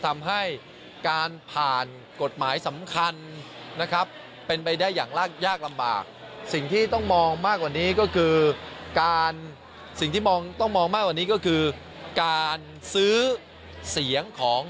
ไม่ได้อย่างรากยากลำบากสิ่งที่ต้องมองมากกว่านี้ก็คือการซื้อเสียงของ